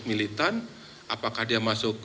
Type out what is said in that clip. militan apakah dia masuk